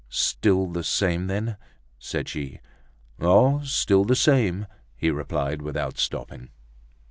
"Still the same, then?" said she. "Oh! still the same!" he replied without stopping.